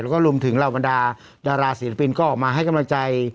แล้วก็รวมถึงเหล่าบรรดาดาราศิลปินก็ออกมาให้กำลังใจ